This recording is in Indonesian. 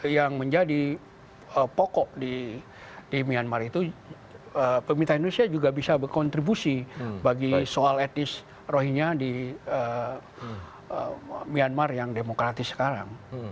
yang menjadi pokok di myanmar itu pemerintah indonesia juga bisa berkontribusi bagi soal etnis rohinya di myanmar yang demokratis sekarang